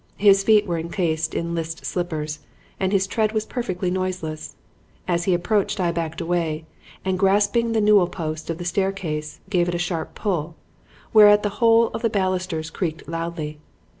His feet were encased in list slippers and his tread was perfectly noiseless. As he approached I backed away, and grasping the newel post of the staircase gave it a sharp pull, whereat the whole of the balusters creaked loudly.